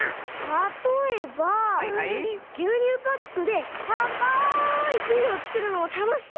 たとえばぎゅうにゅうパックでたかいビルをつくるのもたのしそうですね。